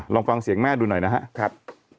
ลองฟังเสียงแม่ดูหน่อยนะครับ